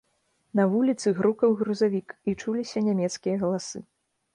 На вуліцы грукаў грузавік і чуліся нямецкія галасы.